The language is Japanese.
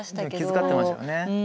気遣ってましたよね。